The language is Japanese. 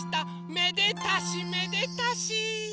めでたしめでたし！